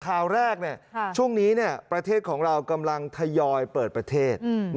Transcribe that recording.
ข่าวแรกช่วงนี้ประเทศของเรากำลังทยอยเปิดประเทศ